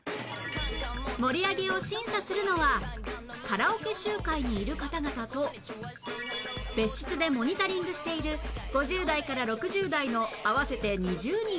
盛り上げを審査するのはカラオケ集会にいる方々と別室でモニタリングしている５０代から６０代の合わせて２０人